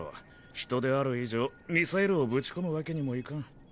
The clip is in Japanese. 人である以上ミサイルをブチ込むわけにもいかん。